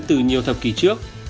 từ nhiều thập kỷ trước